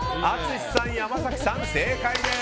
淳さん、山崎さん、正解です。